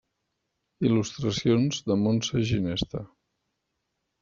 Il·lustracions de Montse Ginesta.